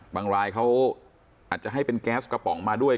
บางรายเขาอาจจะให้เป็นแก๊สกระป๋องมาด้วย